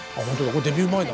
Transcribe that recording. これデビュー前だ。